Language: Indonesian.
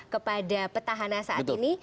kepada petahana saat ini